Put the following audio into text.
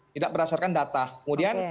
tidak berdasarkan data kemudian